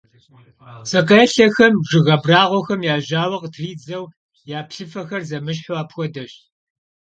Псыкъелъэхэм жыг абрагъуэхэм я жьауэ къытридзэу, я плъыфэхэр зэмыщхьу апхуэдэщ.